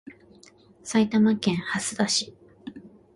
埼玉県蓮田市